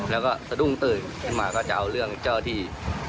แล้วก็สะดุ้งตื่นขึ้นมาก็จะเอาเรื่องเจ้าที่